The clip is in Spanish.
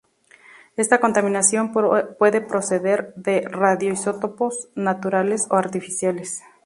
Esta contaminación puede proceder de radioisótopos naturales o artificiales.